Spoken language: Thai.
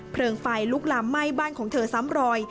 เพลิงไฟลุกลำไหม้บ้านของเธอซ้ำรอย